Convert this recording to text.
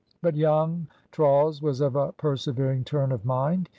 But young Trawles was of a persevering turn of mind.